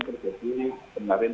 pindah pagi ini ke merapi dari sini